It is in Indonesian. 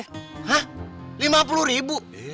hah lima puluh ribu